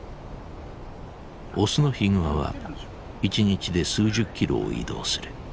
オスのヒグマは一日で数十キロを移動する。